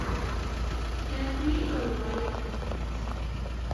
Their feet are wide and flat.